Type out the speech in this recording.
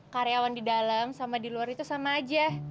karyawan di dalam sama di luar itu sama aja